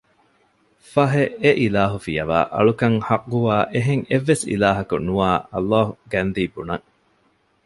ފަހެ އެ އިލާހު ފިޔަވައި އަޅުކަން ޙައްޤުވާ އެހެން އެއްވެސް އިލާހަކު ނުވާ ﷲ ގަންދީ ބުނަން